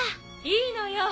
いいのよ。